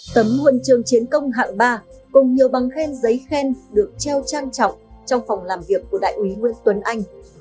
tấm huần trường chiến công hạng ba cùng nhiều bằng khen giấy khen được treo trang trọng trong phòng làm việc của đại úy nguyễn tuấn anh